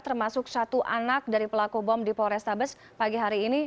termasuk satu anak dari pelaku bom di polrestabes pagi hari ini